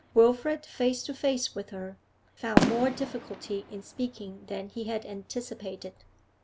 Wilfrid, face to face with her, found more difficulty in speaking than he had anticipated.